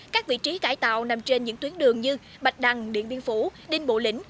các vị trí cải tạo nằm trên những tuyến đường như bạch đăng điện biên phủ đinh bộ lĩnh